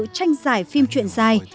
tranh giải phim chuyện dài